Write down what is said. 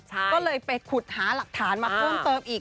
ก็เลยไปขุดหาหลักฐานมาเพิ่มเติมอีก